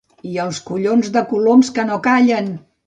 I els collons de coloms que no callen!